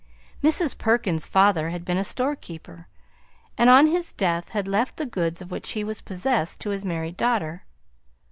Mrs. Perkins's father had been a storekeeper, and on his death had left the goods of which he was possessed to his married daughter.